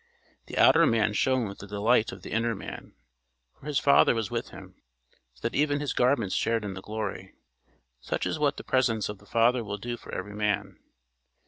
The outer man shone with the delight of the inner man for his Father was with him so that even his garments shared in the glory. Such is what the presence of the Father will do for every man.